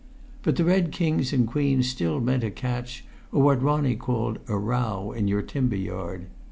But the red kings and queens still meant a catch or what Ronnie called "a row in your timber yard."